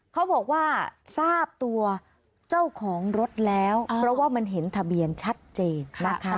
เขาบอกว่าทราบตัวเจ้าของรถแล้วเพราะว่ามันเห็นทะเบียนชัดเจนนะคะ